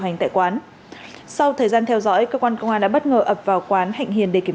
hành tại quán sau thời gian theo dõi cơ quan công an đã bất ngờ ập vào quán hạnh hiền để kiểm